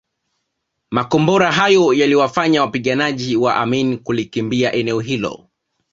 Makombora hayo yaliwafanya wapiganaji wa Amin kulikimbia eneo hilo